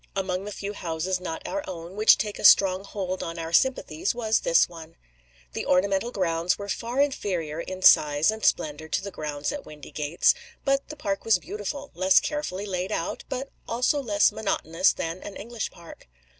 Among the few houses not our own which take a strong hold on our sympathies this was one. The ornamental grounds were far inferior in size and splendor to the grounds at Windygates. But the park was beautiful less carefully laid out, but also less monotonous than an English park.